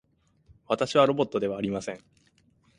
私はロボットではありません。